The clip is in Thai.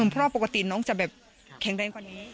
เพราะปกติน้องจะแบบแข็งแรงกว่านี้